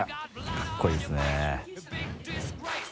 かっこいいですね。